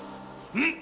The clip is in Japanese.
うん！